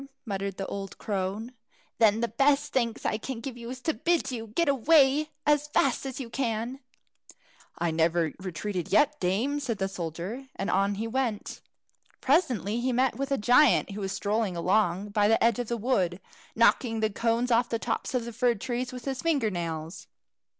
muttered the old crone; "then the best thanks I can give you is to bid you get away as fast as you can." "I never retreated yet, dame," said the soldier, and on he went. Presently he met with a giant, who was strolling along by the edge of the wood, knocking the cones off the tops of the fir trees with his finger nails.